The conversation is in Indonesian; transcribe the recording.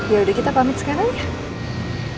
ya udah kita pamit sekarang ya